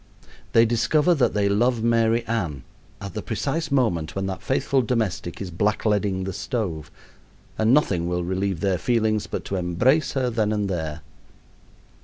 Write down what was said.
They discover that they love Mary Ann at the precise moment when that faithful domestic is blackleading the stove, and nothing will relieve their feelings but to embrace her then and there.